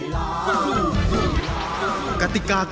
ลูกน้ำชม